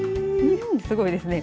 すごいですね。